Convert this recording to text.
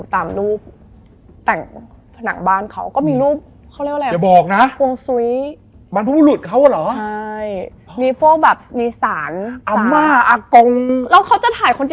ที่โรงแรม